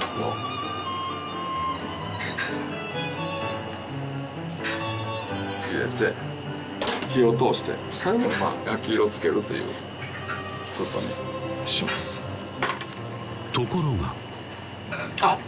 水を入れて火を通して最後はまぁ焼き色を付けるということをねしますところがあっ！